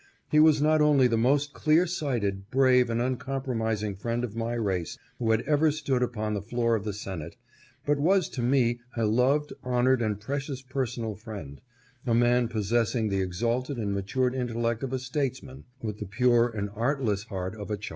He was not only the most clear sighted, brave, and uncompromising friend of my race who had ever stood upon the floor of the Senate, but was to me a loved, honored, and precious personal friend ; a man possessing the exalted and matured intellect of a statesman, with the pure and artless heart of a child.